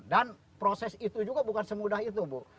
dan proses itu juga bukan semudah itu bu